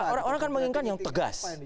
oh iya orang kan menginginkan yang tegas